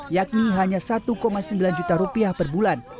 yakni hanya satu sembilan juta rupiah per bulan